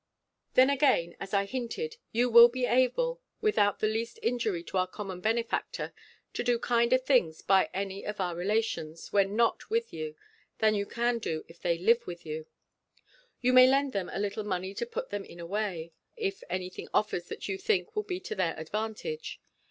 Then again, as I hinted, you will be able, without the least injury to our common benefactor, to do kinder things by any of our relations, when not with you, than you can do, if they live with you. You may lend them a little money to put them in a way, if any thing offers that you think will be to their advantage.